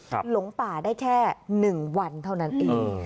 หลงป่าได้แค่๑วันเท่านั้นเอง